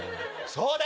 そうだ！